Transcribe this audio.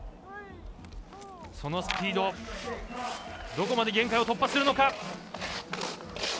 そのスピードどこまで限界突破するのか。